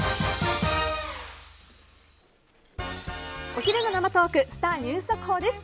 お昼の生トークスター☆ニュース速報です。